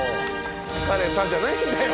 「疲れた」じゃないんだよ。